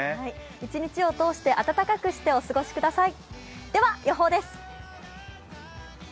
一日を通して暖かくしてお過ごしください。